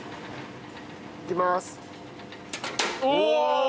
いきまーす。